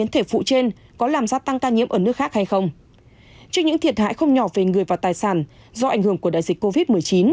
trước những thiệt hại không nhỏ về người và tài sản do ảnh hưởng của đại dịch covid một mươi chín